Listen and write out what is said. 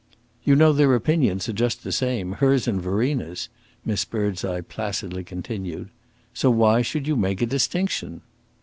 "You know their opinions are just the same hers and Verena's," Miss Birdseye placidly continued. "So why should you make a distinction?"